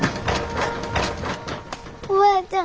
おばあちゃん